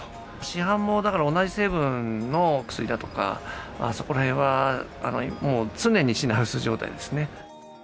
市販もだから、同じ成分の薬だとか、そこらへんはもう、常に品薄状態ですね。